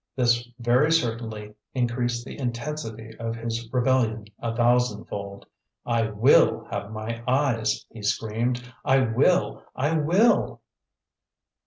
This very certainty increased the intensity of his rebellion a thousandfold. "I WILL have my eyes!" he screamed. "I WILL! I WILL!"